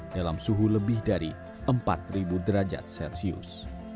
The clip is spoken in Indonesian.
dalam suhu lebih dari empat derajat celcius